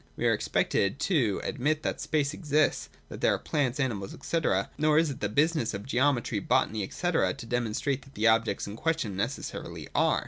We are expected to admit that space exists, that there are plants, animals, &c., nor is it the busi ness of geometry, botany, &c.to demonstrate that the objects in question necessarily are.